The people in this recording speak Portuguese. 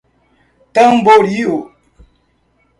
Tamboril